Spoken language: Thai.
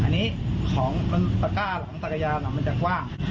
อันนี้ของมันตะกร้าหรอของมันตะกะยาน่ะมันจะกว้าง